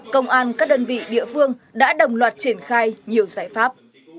công an các đơn vị địa phương đã đồng loạt triển khai nhiều giải pháp